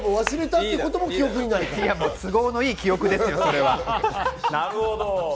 都合のいい記憶ですよ、それは。